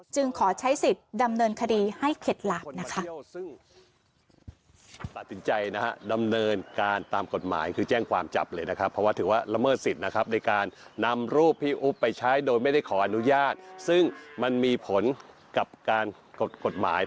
ขอใช้สิทธิ์ดำเนินคดีให้เข็ดหลาดนะคะ